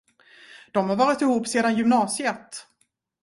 De har varit ihop sedan gymnasiet.